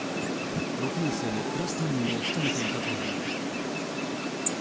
６年生のクラス担任を務めていたという。